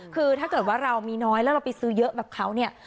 คือถ้าเกิดว่าเรามีน้อยแล้วเราไปซื้อเยอะแบบเขาเนี่ย